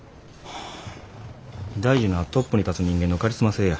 大事なんはトップに立つ人間のカリスマ性や。